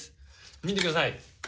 見てください。